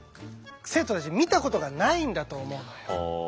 生徒たちは見たことがないんだと思うのよ。